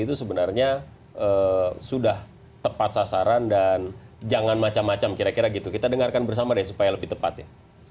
itu sebenarnya sudah tepat sasaran dan jangan macam macam kira kira gitu kita dengarkan bersama deh supaya lebih tepatnya